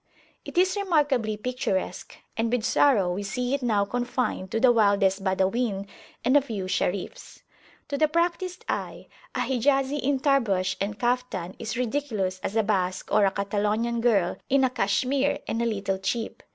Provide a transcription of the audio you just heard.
It is remarkably picturesque, and with sorrow we see it now confined to the wildest Badawin and a few Sharifs. To the practised eye, a Hijazi in Tarbush and Caftan is ridiculous as a Basque or a Catalonian girl in a cachemire and a little chip.